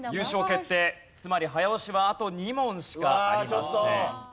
つまり早押しはあと２問しかありません。